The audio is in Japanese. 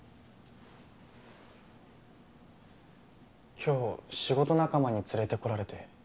今日仕事仲間に連れてこられて。